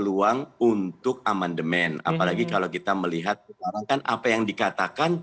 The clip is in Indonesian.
itu kira kira itu